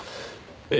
ええ。